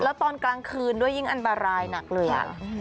แล้วตอนกลางคืนด้วยยิ่งอันตรายหนักเลยอ่ะ